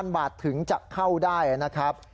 ๒๐๐๐๓๐๐๐บาทถึงจะเข้าได้นะครับ